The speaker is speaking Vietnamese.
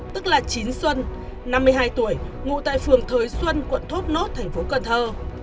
tức là chín xuân năm mươi hai tuổi ngụ tại phường thới xuân quận thốt nốt thành phố cần thơ